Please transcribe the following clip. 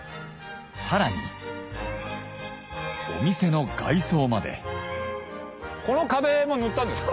さらにお店の外装までこの壁も塗ったんですか？